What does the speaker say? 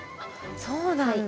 そうなんだ。